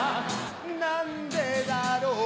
何でだろう